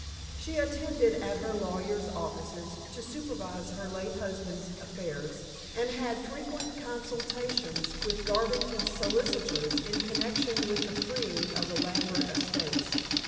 She attended at her lawyers' offices to supervise her late husband's affairs, and had frequent consultations with Garvington's solicitors in connection with the freeing of the Lambert estates.